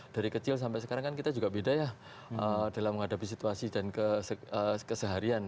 dari kecil sampai sekarang kan kita juga beda ya dalam menghadapi situasi dan keseharian